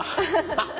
ハハハ。